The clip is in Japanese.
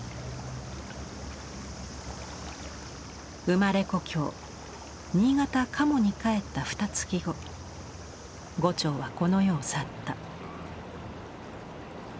生まれ故郷新潟・加茂に帰ったふたつき後牛腸はこの世を去った。